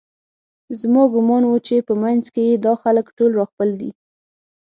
زما ګومان و چې په منځ کې یې دا خلک ټول راخپل دي